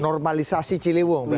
normalisasi celiwung berarti